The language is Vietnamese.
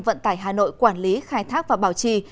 vận tải hà nội quản lý khai thác và bảo trì